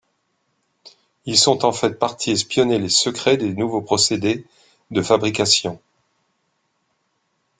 Ils sont en fait partie espionner les secrets des nouveaux procédés de fabrication.